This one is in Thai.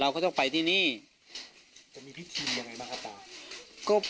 ก็ต้องไปที่นี่จะมีพิธียังไงบ้างครับตา